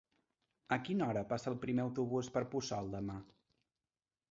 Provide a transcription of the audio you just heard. A quina hora passa el primer autobús per Puçol demà?